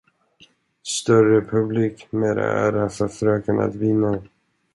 Större publik, mera ära för fröken att vinna.